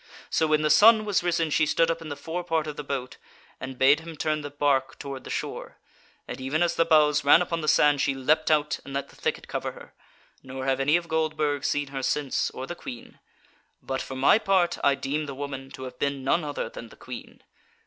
So when the sun was risen she stood up in the fore part of the boat, and bade him turn the barque toward the shore, and even as the bows ran upon the sand, she leapt out and let the thicket cover her; nor have any of Goldburg seen her since, or the Queen. But for my part I deem the woman to have been none other than the Queen.